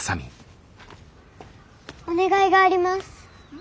お願いがあります。